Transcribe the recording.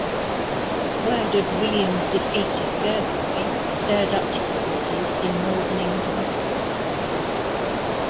Word of William's defeat at Gerberoi stirred up difficulties in northern England.